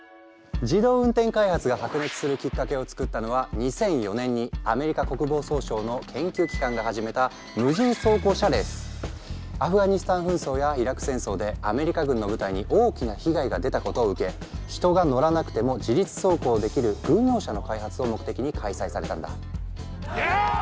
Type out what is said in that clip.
自動運転開発が白熱するきっかけを作ったのは２００４年にアメリカ国防総省の研究機関が始めたアフガニスタン紛争やイラク戦争でアメリカ軍の部隊に大きな被害が出たことを受け人が乗らなくても自律走行できる軍用車の開発を目的に開催されたんだ。